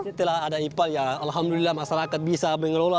setelah ada ipal ya alhamdulillah masyarakat bisa mengelola